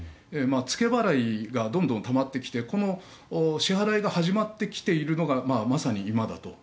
付け払いがどんどんたまってきてこの支払いが始まってきているのがまさに今だと。